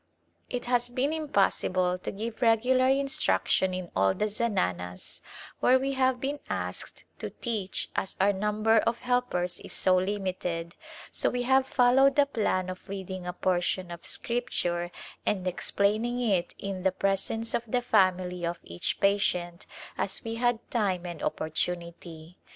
It has been impossible to give regular instruction in all the zananas where we have been asked to teach as our number of helpers is so limited, so we have fol lowed the plan of reading a portion of Scripture and explaining it in the presence of the family of each patient as we had time and opportunity.